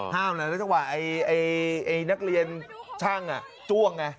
ห้ามแล้วแล้วเฉพาะนักเรียนช่างจ้วงไง